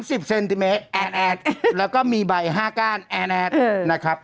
หนู๓๐เซนติเมตรแอดแล้วก็มีใบ๕ก้านแอดนะครับ